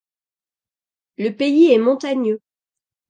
Le pays est montagneux.